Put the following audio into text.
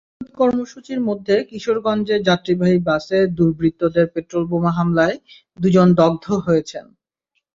টানা অবরোধ কর্মসূচির মধ্যে কিশোরগঞ্জে যাত্রীবাহী বাসে দুর্বৃত্তদের পেট্রলবোমা হামলায় দুজন দগ্ধ হয়েছেন।